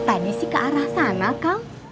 tadi sih ke arah sana kang